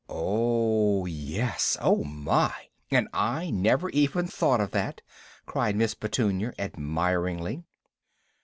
"O h, yes! O h my! And I never even thought of that!" cried Miss Petunia admiringly.